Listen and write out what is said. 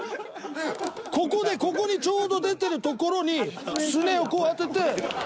ここでここにちょうど出てるところにすねをこう当ててそれでやって。